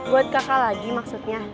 buat kakak lagi maksudnya